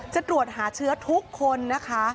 จะตรวจหาเชื้อทุกคนนะคะ